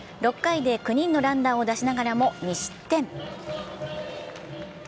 ６回で９人のランナーを出しながらも２失点。